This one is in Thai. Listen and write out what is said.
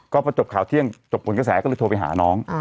ก็พอจบข่าวเที่ยงจบผลกระแสก็เลยโทรไปหาน้อง